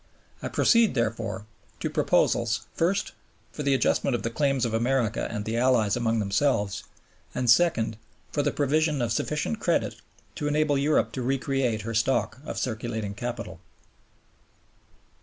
I proceed, therefore, to proposals, first, for the adjustment of the claims of America and the Allies amongst themselves; and second, for the provision of sufficient credit to enable Europe to re create her stock of circulating capital.